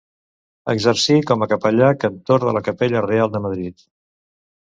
Exercí com a capellà cantor de la capella reial de Madrid.